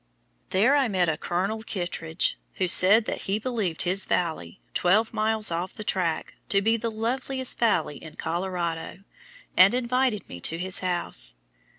There I met a Colonel Kittridge, who said that he believed his valley, twelve miles off the track, to be the loveliest valley in Colorado, and invited me to his house.